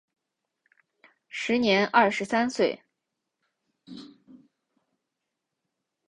时年二十三岁。